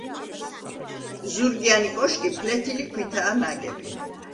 ზურგიანი კოშკი ფლეთილი ქვითაა ნაგები.